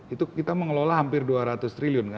itu kita mengelola hampir dua ratus triliun kan